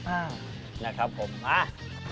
อ่านะครับผมมา